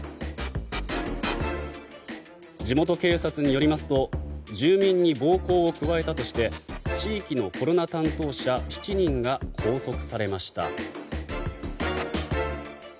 地元警察によりますと住民に暴行を加えたとして地域のコロナ担当者７人が拘束されました。